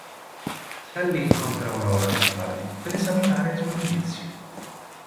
Sally incontra Aurora più tardi per esaminare i suoi indizi.